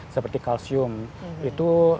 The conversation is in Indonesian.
seperti kalsium itu